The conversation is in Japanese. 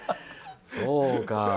そうか。